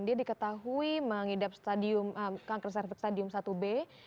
dia diketahui mengidap kanker cervix stadium satu b dua ribu empat belas